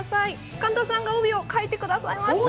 神田さんが帯を書いてくださいました。